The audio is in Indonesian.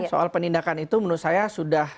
soal penindakan itu menurut saya sudah